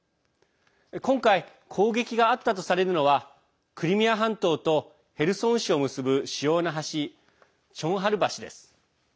今回、攻撃があったとされるのはクリミア半島とヘルソン州を結ぶ主要な橋チョンハル橋です。